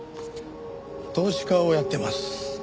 投資家をやってます。